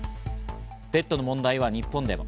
ペットの問題は日本でも。